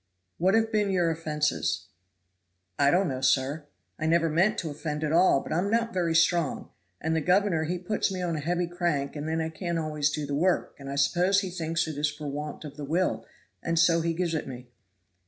"What have been your offenses?" "I don't know, sir. I never meant to offend at all, but I am not very strong, and the governor he puts me on a heavy crank and then I can't always do the work, and I suppose he thinks it is for want of the will, and so he gives it me."